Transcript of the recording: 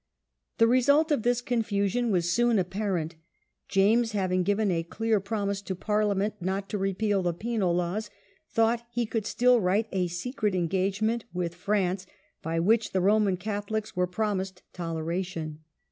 The result of this confusion was soon apparent. James, having given a clear promise to Parliament not to repeal the Penal laws, thought that he could still Result of the write a secret " engagement " with France, by confusion, which the Roman Catholics were promised toleration.